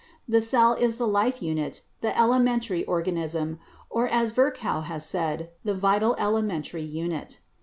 The cell is the life unit, the elementary organism, or as Virchow has said, the vital elementary unit.